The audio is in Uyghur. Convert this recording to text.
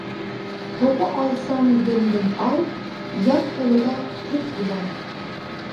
توپا ئالساڭ دۆڭدىن ئال، يات قولىدا تۇت يىلان.